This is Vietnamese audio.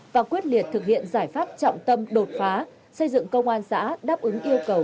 và quyết liệt thực hiện giải pháp trọng tâm đột phá xây dựng công an xã đáp ứng yêu cầu